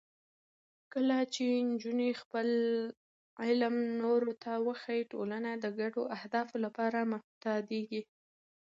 کله چې نجونې خپل علم نورو ته وښيي، ټولنه د ګډو اهدافو لپاره متحدېږي.